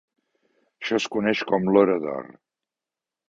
Això es coneix com l'hora d'or.